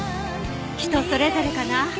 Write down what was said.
人それぞれかな。